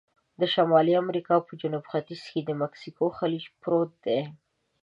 د شمالي امریکا په جنوب ختیځ کې د مکسیکو خلیج پروت دی.